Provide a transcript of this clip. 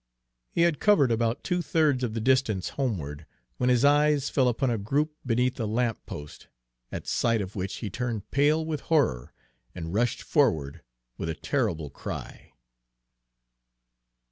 He had covered about two thirds of the distance homeward, when his eyes fell upon a group beneath a lamp post, at sight of which he turned pale with horror, and rushed forward with a terrible cry.